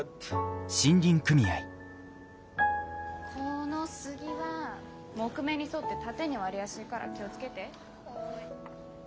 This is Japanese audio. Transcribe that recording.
このスギは木目に沿って縦に割れやすいから気を付けて。